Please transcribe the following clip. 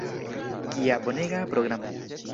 Kia bonega programo!